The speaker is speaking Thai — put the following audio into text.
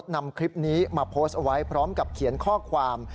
นำคลิปนี้มาโพสต์ไว้พร้อมกับเขียนข้อความ